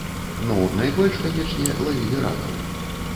Ну, найбольш, канечне, лавілі ракаў.